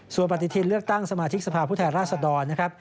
ส่วนปฏิทินเลือกตั้งสมาธิกษภาพุทธรรษฎร